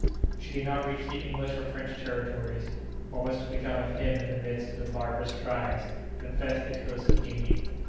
Should he not reach the English or French territories, what was to become of him in the midst of the barbarous tribes that infest the coasts of Guinea?